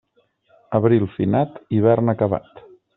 Abril finat, hivern acabat.